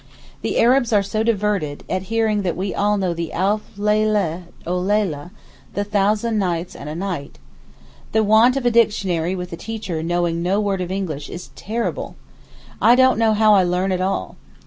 The Arabs are so diverted at hearing that we all know the Alf Leyleh o Leyleh, the 'Thousand Nights and a Night.' The want of a dictionary with a teacher knowing no word of English is terrible. I don't know how I learn at all.